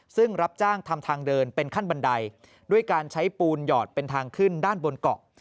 ซึ่งรับจ้างทำทางเดินเป็นขั้นบันไดด้วยการใช้ปูนหยอดเป็นทางขึ้นด้านบนเกาะ